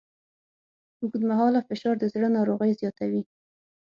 اوږدمهاله فشار د زړه ناروغۍ زیاتوي.